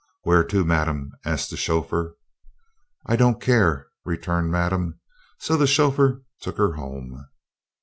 "Where to, Madame?" asked the chauffeur. "I don't care," returned Madame; so the chauffeur took her home.